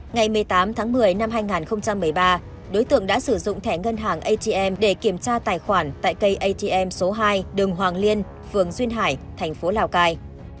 ngày một mươi tám tháng một mươi năm hai nghìn một mươi ba đối tượng đã sử dụng thẻ ngân hàng atm để kiểm tra tài khoản tại cây atm số hai đường hoàng liên phường duyên hải thành phố lào cai